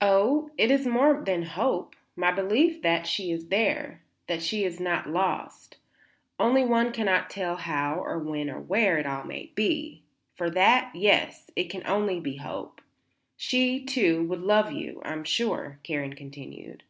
"Oh, it is more than hope, my belief that she is there; that she is not lost. Only one cannot tell how or when or where it all may be. For that, yes, it can be only hope. She, too, would love you, I am sure," Karen continued.